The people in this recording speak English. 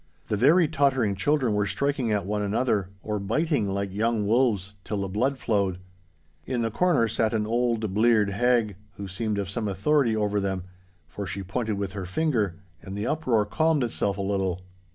The very tottering children were striking at one another, or biting like young wolves, till the blood flowed. In the corner sat an old bleared hag, who seemed of some authority over them, for she pointed with her finger, and the uproar calmed itself a little.